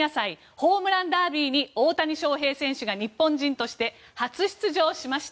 ホームランダービーに大谷翔平選手が日本人として初出場しました。